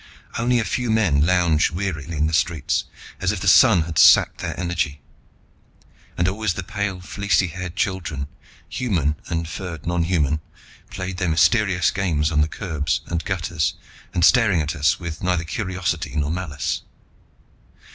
Only a few men lounged wearily in the streets, as if the sun had sapped their energy. And always the pale fleecy haired children, human and furred nonhuman, played their mysterious games on the curbs and gutters and staring at us with neither curiosity nor malice.